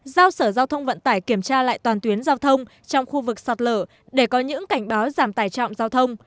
giao sở giao thông vận tải kiểm tra lại toàn tuyến giao thông trong khu vực sạt lở để có những cảnh báo giảm tài trọng giao thông